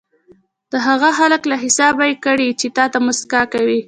د هغه خلکو له حسابه یې وکړئ چې تاته موسکا کوي.